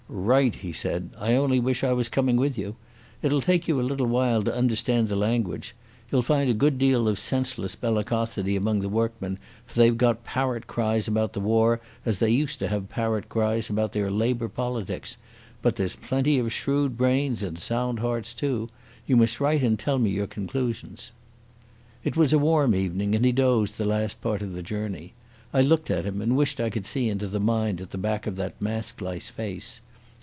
"Right," he said. "I only wish I was coming with you. It'll take you a little while to understand the language. You'll find a good deal of senseless bellicosity among the workmen, for they've got parrot cries about the war as they used to have parrot cries about their labour politics. But there's plenty of shrewd brains and sound hearts too. You must write and tell me your conclusions." It was a warm evening and he dozed the last part of the journey. I looked at him and wished I could see into the mind at the back of that mask like face.